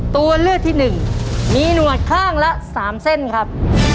ตัวเลือกที่หนึ่งมีหนวดข้างละ๓เส้นครับ